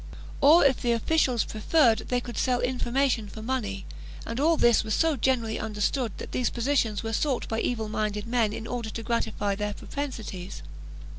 Or, if the officials preferred, they could sell information for money and all this was so gener ally understood that these positions were sought by evil minded men in order to gratify their propensities.